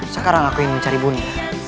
sekarang aku yang mencari bunuh